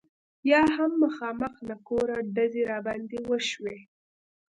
یا هم مخامخ له کوره ډزې را باندې وشي.